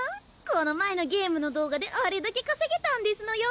この前のゲームの動画であれだけ稼げたんですのよ？